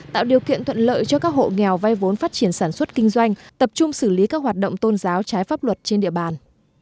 tạo điều kiện thuận lợi cho các hộ nghèo vay vốn phát triển sản xuất kinh doanh tập trung xử lý các hoạt động tôn giáo trái pháp luật trên địa bàn